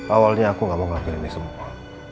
awalnya aku gak mau ngakuin ini semua